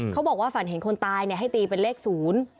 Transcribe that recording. เขาบอกว่าฝันเห็นคนตายเนี่ยให้ตีเป็นเลขศูนย์